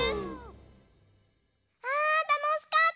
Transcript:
あたのしかった！ね。